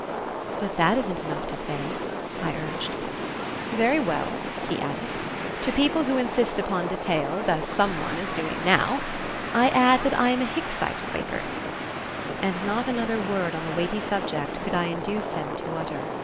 "But that isn't enough to say," I urged. "Very well," he added, "to people who insist upon details, as some one is doing now, I add that I am a Hicksite Quaker"; and not another word on the weighty subject could I induce him to utter.